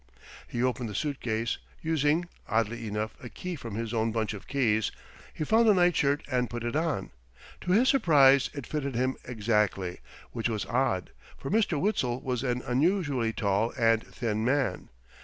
He opened the suitcase, using oddly enough a key from his own bunch of keys. He found a night shirt and put it on. To his surprise it fitted him exactly, which was odd, for Mr. Witzel was an unusually tall and thin man.